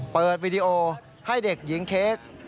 วีดีโอให้เด็กหญิงเค้ก